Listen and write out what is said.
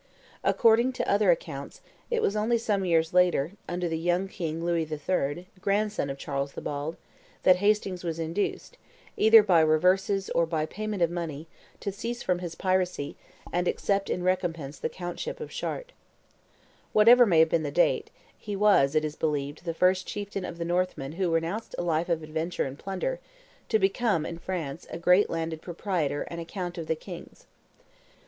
According to other accounts, it was only some years later, under the young king Louis III., grandson of Charles the Bald, that Hastings was induced, either by reverses or by payment of money, to cease from his piracies, and accept in recompense the countship of Chartres. Whatever may have been the date, he was, it is believed, the first chieftain of the Northmen who renounced a life of adventure and plunder, to become, in France, a great landed proprietor and a count of the king's.